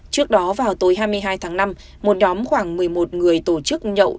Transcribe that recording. trước đó vào tối hai mươi hai tháng năm một nhóm khoảng một mươi một người tổ chức nhậu